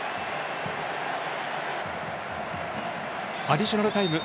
アディショナルタイム